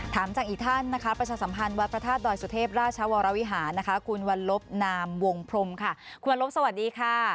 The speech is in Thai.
ถามจากอีกท่านนะคะประชาสัมพันธ์วัดพระธาตุดอยสุเทพราชวรวิหารนะคะคุณวันลบนามวงพรมค่ะคุณวันลบสวัสดีค่ะ